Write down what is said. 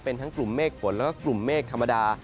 เป็นทั้งกลุ่มเมฆฝนแล้วก็กลุ่มเมฆธรรมดา